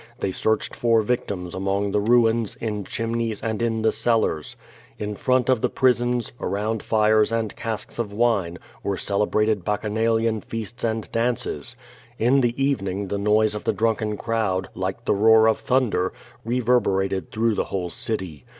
They searched for victims among the ruins, in chimneys, and in the cellars. In front of the prisons, around fires and casks of wine, were celebrated bacchanalian feasts and dances. In the evening tiie noise of the drunken crowd, like the roar of thunder, reverberated through the whole city.